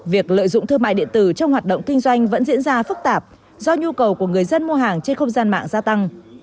việc lợi dụng thương mại điện tử trong hoạt động kinh doanh vẫn diễn ra phức tạp do nhu cầu của người dân mua hàng trên không gian mạng gia tăng